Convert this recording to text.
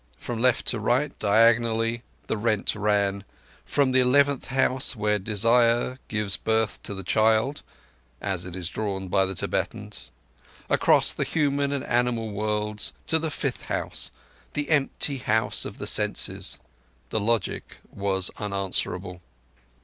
From left to right diagonally the rent ran—from the Eleventh House where Desire gives birth to the Child (as it is drawn by Tibetans)—across the human and animal worlds, to the Fifth House—the empty House of the Senses. The logic was unanswerable.